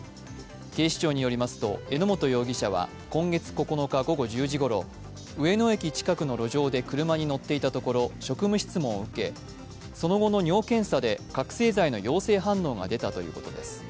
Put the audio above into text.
警視庁によりますと榎本容疑者は今月９日午後１０時ごろ、上野駅近くの路上で車に乗っていたところ、職務質問を受け、その後の尿検査で覚醒剤の陽性反応が出たということです。